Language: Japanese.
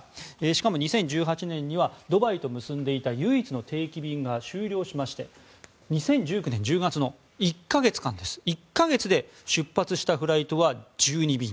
しかも２０１８年にはドバイと結んでいた唯一の定期便が終了しまして２０１９年１０月の１か月間で出発したフライトは１２便。